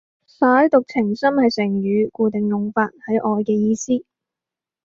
舐犢情深係成語，固定用法，係愛嘅意思